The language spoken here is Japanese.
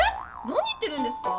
何言ってるんですか？